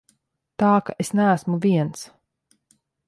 Tā ka es neesmu viens.